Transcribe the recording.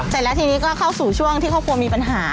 เสร็จแล้วทีนี้ก็เข้าสู่ช่วงที่ครอบครัวมีปัญหา